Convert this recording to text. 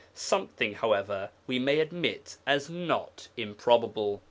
Something, however, we may admit as not improbable.